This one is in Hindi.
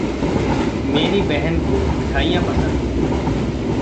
मेरी बहन को मिठाईयाँ पसंद हैं।